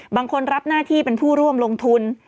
รับหน้าที่เป็นผู้ร่วมลงทุน